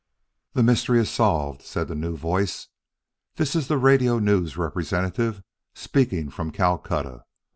"The mystery is solved," said the new voice. "This is the Radio News representative speaking from Calcutta.